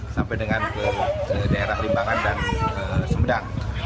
sampai dengan ke daerah limbangan dan sumedang